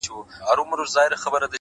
صبر د وخت له ازموینې سره مل وي؛